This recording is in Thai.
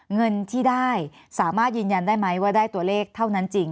เงินที่ได้สามารถยืนยันได้ไหมว่าได้ตัวเลขเท่านั้นจริง